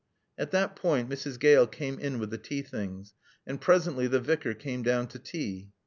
At that point Mrs. Gale came in with the tea things. And presently the Vicar came down to tea.